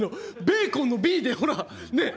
ベーコンの「Ｂ」でほらねっ。